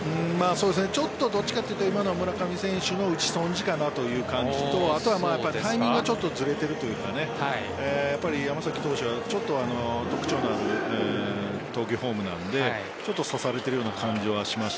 ちょっとどっちかというと今のは村上選手の打ち損じかなという感じとあとはタイミングがずれているというか山崎投手はちょっと特徴のある投球フォームなのでさされているような感じはします。